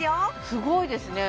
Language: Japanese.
すごいですね